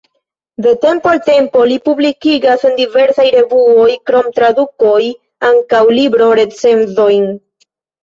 De tempo al tempo li publikigas en diversaj revuoj, krom tradukoj, ankaŭ libro-recenzojn.